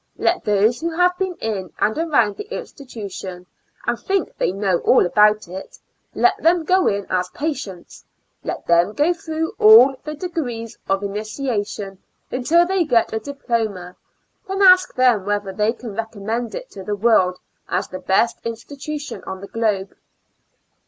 Let those who have been in and around the institution, and think they know all about it, let them go in as patients, let them go through all the degrees of initiation, until they get a ZiY A L UNATIC A STL UM. X 5 9 diploma, then ask tbem whether they can recommend it to the world as the best institution on the globe?